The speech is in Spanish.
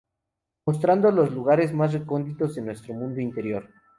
mostrando los lugares más recónditos de nuestro mundo interior